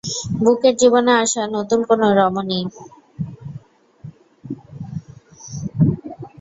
ব্যুকের জীবনে আসা নতুন কোনও রমণী?